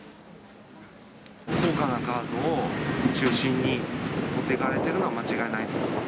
高価なカードを中心に持っていかれてるのは間違いないと思います。